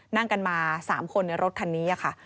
นั่งกันมา๓คนในรถคันนี้ค่ะ